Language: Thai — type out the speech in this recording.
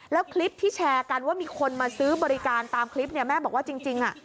แล้วคลิปที่แชร์กันว่ามีคนมาซื้อบริการตามคลิปเนี่ยแม่บอกว่าจริงอ่ะ